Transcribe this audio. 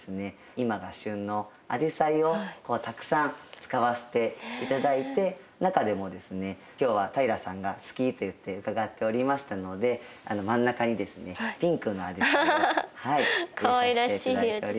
今が旬のアジサイをたくさん使わせて頂いて中でもですね今日は平さんが好きといって伺っておりましたので真ん中にですねピンクのアジサイを入れさせて頂いております。